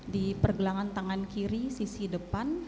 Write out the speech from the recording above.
di pergelangan tangan kiri sisi depan